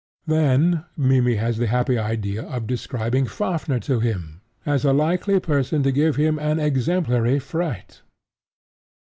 Then Mimmy has the happy idea of describing Fafnir to him as a likely person to give him an exemplary fright.